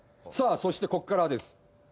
そしてこっからです。